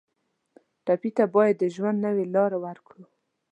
ټپي ته باید د ژوند نوې لاره ورکړو.